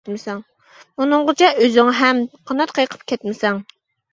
ئۇنىڭغىچە ئۆزۈڭ ھەم قانات قېقىپ كەتمىسەڭ.